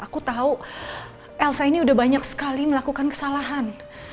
aku tau elsa ini udah banyak sekali melakukan kesalahan